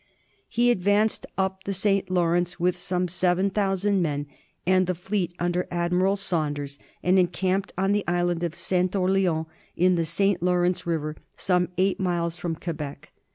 He advanced up the St. Lawrence with some 7000 men and the fleet under Admiral Saunders, and encamped on the Island of St. Orleans in the St. Lawrence River, some eight miles from Quebec.